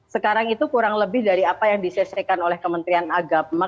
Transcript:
sekarang itu kurang lebih dari apa yang disesuaikan oleh kementerian agama